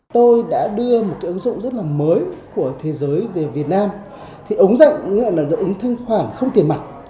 tôi đã đưa một cái ứng dụng rất là mới của thế giới về việt nam thì ứng dụng như là ứng dụng thanh khoản không tiền mặt